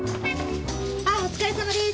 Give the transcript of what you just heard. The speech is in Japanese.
あっお疲れさまです。